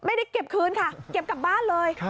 ไม่ได้เก็บคืนค่ะเก็บกลับบ้านเลย